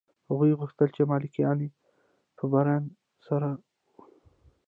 هغوی غوښتل چې ملکیان په برنر وسوځوي